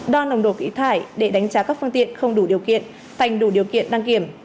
đo nồng độ ý thải để đánh giá các phương tiện không đủ điều kiện thành đủ điều kiện đăng kiểm